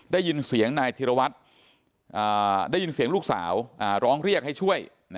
ได้ยินเสียงนายธิรวัตรได้ยินเสียงลูกสาวร้องเรียกให้ช่วย